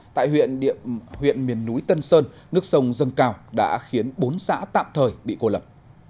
tại huyện miền núi tân sơn nước sông dâng cao đã khiến bốn xã tạm thời bị cô lập